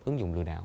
ứng dụng lừa đảo